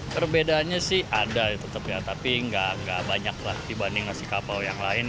perbedaannya sih ada tetap ya tapi tidak banyak dibandingkan si kapau yang lain